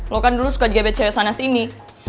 lo kan dulu suka gebet cewek sana sini